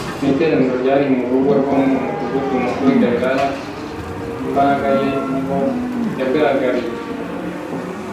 . Mu iteraniro ryari mu rugo rwo mu mudugudu muto w’i Galilaya imbaraga ye niho yagaragariye,